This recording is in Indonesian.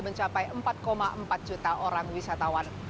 mencapai empat empat juta orang wisatawan